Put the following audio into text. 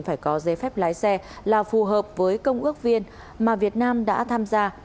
phải có giấy phép lái xe là phù hợp với công ước viên mà việt nam đã tham gia